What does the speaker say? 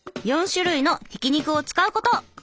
４種類のひき肉を使うこと！